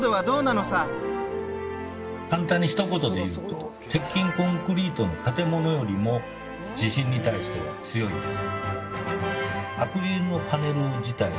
簡単にひと言で言うと鉄筋コンクリートの建物よりも地震に対しては強いんです。